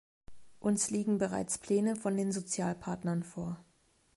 Uns liegen bereits Pläne von den Sozialpartnern vor.